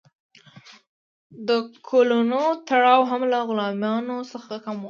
د کولونو تړاو هم له غلامانو څخه کم و.